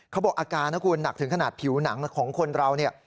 เขาบอกอาการนะคุณหนักถึงขนาดผิวหนังของคนเราเนี่ย